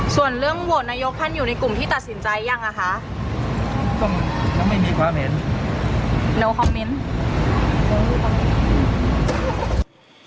ส่วนเรื่องโหวดนายกท่านอยู่ในกลุ่มที่ตัดสินใจยังอ่ะคะ